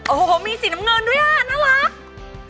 โอ้โหมีสีน้ำเงินด้วยอ่ะน่ารัก